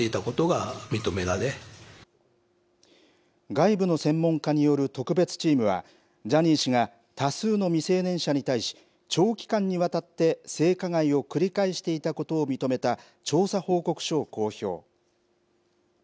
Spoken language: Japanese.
外部の専門家による特別チームは、ジャニー氏が、多数の未成年者に対し、長期間にわたって性加害を繰り返していたことを認めた調査報告書を公表。